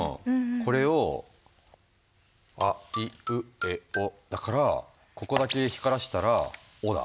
これをあいうえおだからここだけ光らしたら「お」だ。